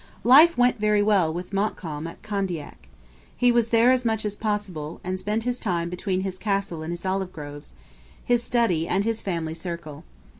Life went very well with Montcalm at Candiac. He was there as much as possible, and spent his time between his castle and his olive groves, his study and his family circle.